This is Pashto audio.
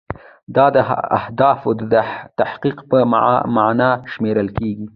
دا د اهدافو د تحقق په معنا شمیرل کیږي.